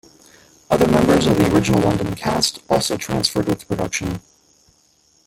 Other members of the original London cast also transferred with the production.